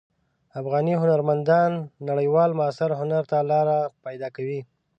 افغاني هنرمندان نړیوال معاصر هنر ته لاره پیدا کوي.